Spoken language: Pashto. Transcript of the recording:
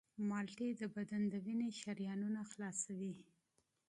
مالټې د بدن د وینې شریانونه خلاصوي.